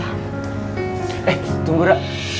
eh tunggu ra